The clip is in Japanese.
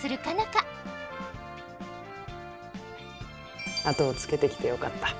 花後をつけてきてよかった。